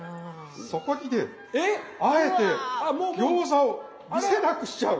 そこにねあえて餃子を見せなくしちゃう。